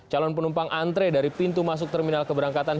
calon penumpang antre dari pintu masuk terminal keberangkatan